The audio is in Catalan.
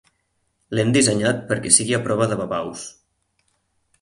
L'hem dissenyat perquè sigui a prova de babaus.